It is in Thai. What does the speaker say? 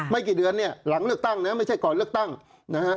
กี่เดือนเนี่ยหลังเลือกตั้งนะไม่ใช่ก่อนเลือกตั้งนะฮะ